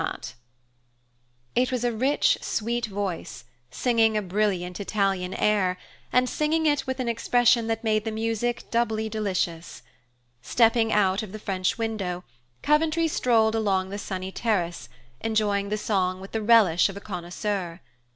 It was a rich, sweet voice, singing a brilliant Italian air, and singing it with an expression that made the music doubly delicious. Stepping out of the French window, Coventry strolled along the sunny terrace, enjoying the song with the relish of a connoisseur.